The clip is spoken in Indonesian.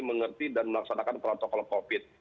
mengerti dan melaksanakan protokol covid sembilan belas